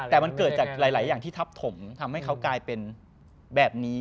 แต่มันเกิดจากหลายอย่างที่ทับถมทำให้เขากลายเป็นแบบนี้